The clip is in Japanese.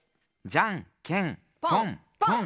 じゃんけんぽんぽん。